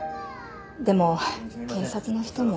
でも警察の人も。